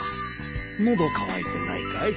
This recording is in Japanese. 喉渇いてないかい？